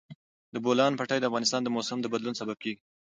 د بولان پټي د افغانستان د موسم د بدلون سبب کېږي.